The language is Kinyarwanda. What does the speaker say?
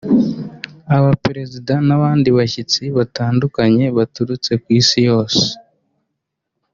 Abaperezida n’abandi bashyitsi batandukanye baturutse ku Isi yose